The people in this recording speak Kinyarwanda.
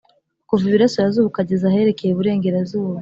kuva iburasirazuba ukageza aherekeye iburengerazuba